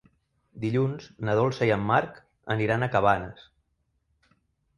Dilluns na Dolça i en Marc aniran a Cabanes.